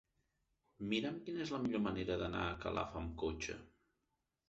Mira'm quina és la millor manera d'anar a Calaf amb cotxe.